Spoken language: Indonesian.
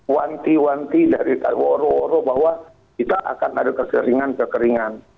wanti wanti dari woro woro bahwa kita akan ada kekeringan kekeringan